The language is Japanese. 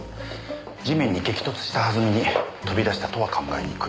地面に激突したはずみに飛び出したとは考えにくい。